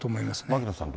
牧野さん